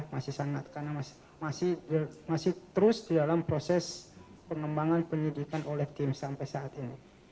masih sangat karena masih terus di dalam proses pengembangan penyidikan oleh tim sampai saat ini